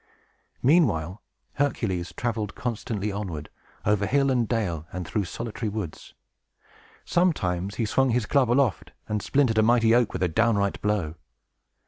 Meanwhile, Hercules traveled constantly onward, over hill and dale, and through the solitary woods. Sometimes he swung his club aloft, and splintered a mighty oak with a downright blow.